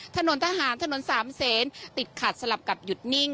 ถนนทหารถนนสามเซนติดขัดสลับกับหยุดนิ่ง